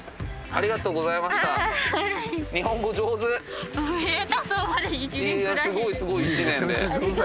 ありがとうございます。